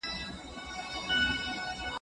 ميني څه انكار نه كوي